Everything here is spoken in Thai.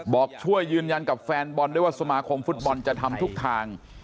บอกช่วยยืนยันกับแฟนบอลด้วยว่าสมาคมฟุตบอลจะทำทุกทาง